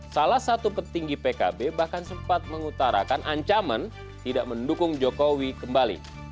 salah satu petinggi pkb bahkan sempat mengutarakan ancaman tidak mendukung jokowi kembali